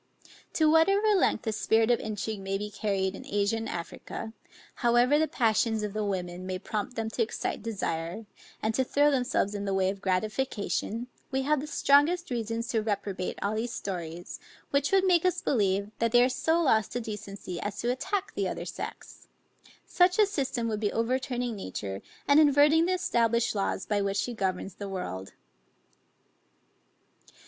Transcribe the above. To whatever length the spirit of intrigue may be carried in Asia and Africa, however the passions of the women may prompt them to excite desire, and to throw themselves in the way of gratification, we have the strongest reasons to reprobate all these stories, which would make us believe, that they are so lost to decency as to attack the other sex: such a system would be overturning nature, and inverting the established laws by which she governs the world.